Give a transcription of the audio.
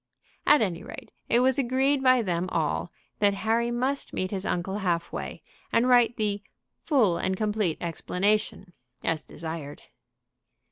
At any rate, it was agreed by them all that Harry must meet his uncle half way, and write the "full and complete explanation," as desired.